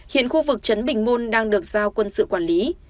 hiện khu vực trấn bình môn đang được giao quân sự quản lý